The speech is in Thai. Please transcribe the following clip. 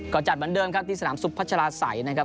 ก็จัดเหมือนเดิมครับที่สนามสุพัชราศัยนะครับ